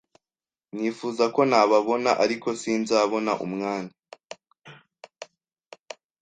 Nifuza ko nababona, ariko sinzabona umwanya.